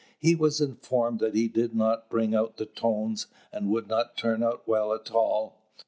He was informed that they did not bring out tones, and would not turn out well at all.